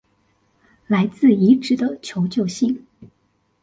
來自遺址的求救信